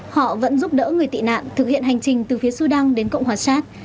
họ vẫn giúp đỡ người tị nạn thực hiện hành trình từ phía sudan đến cộng hòa sát